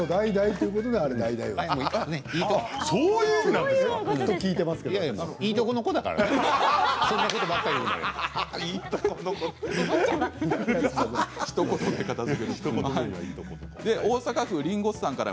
いいとこの子だからそういうことばっかり言うのよ。